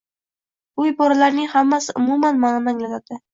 Bu iboralarning hammasi umumma’noni anglatadi